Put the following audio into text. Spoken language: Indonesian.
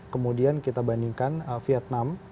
kemudian kita bandingkan vietnam